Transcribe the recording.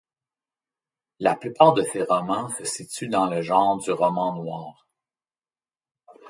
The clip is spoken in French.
La plupart de ses romans se situent dans le genre du roman noir.